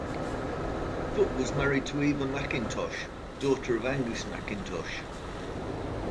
Foot was married to Eva Mackintosh, daughter of Angus Mackintosh.